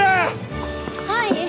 はい！